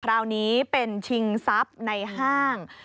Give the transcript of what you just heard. คราวนี้เป็นชิงทรัพย์ในห้าง